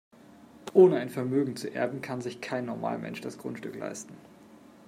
Ohne ein Vermögen zu erben, kann sich kein Normalmensch das Grundstück leisten.